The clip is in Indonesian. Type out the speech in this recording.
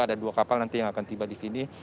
ada dua kapal nanti yang akan tiba di sini